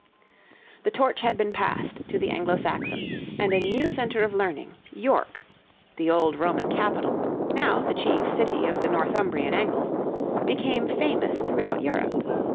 The torch had been passed to the Anglo Saxon, and a new centre of learning, York, the old Roman capital, now the chief city of the Northumbrian Angles, became famous throughout Europe.